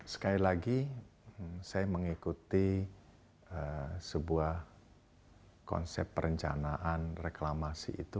sekali lagi saya mengikuti sebuah konsep perencanaan reklamasi itu